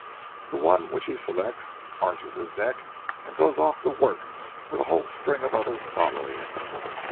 The one which he selects, arches his neck and goes off to work with a whole string of the others following.